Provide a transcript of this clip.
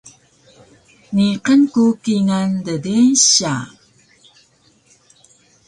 Niqan ku kingal ddeynsya